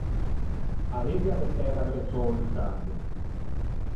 A lettia a l’é stæta adressâ a-o Lusciandro.